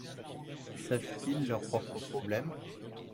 Savent-ils leur propre problème?